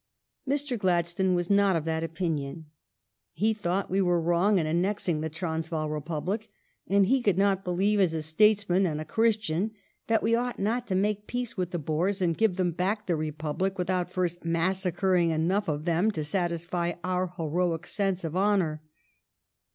Mr. Gladstone was not of that opinion. He thought we were wrong in annexing the Transvaal Republic, and he could not believe, as a statesman and a Christian, that we ought not to make peace with the Boers and give them back their Republic without first massa cring enough of them to satisfy our heroic sense of honor.